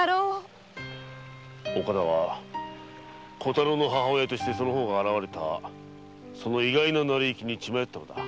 岡田は母親としてその方が現れた意外な成り行きに血迷ったのだ。